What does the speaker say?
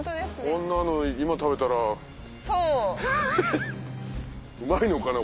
こんなの今食べたらフフフ。うまいのかな？